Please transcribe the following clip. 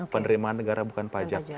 penerimaan negara bukan pajak